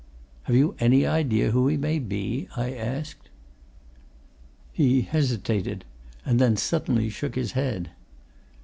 "Have you any idea who he may be?" I asked. He hesitated and then suddenly shook his head.